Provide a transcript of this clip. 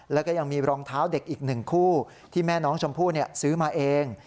แล้วก็ยังมีรองเท้าเด็กอีกหนึ่งคู่ที่แม่น้องชมพู่ซื้อมาเอง